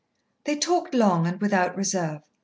They talked long and without reserve.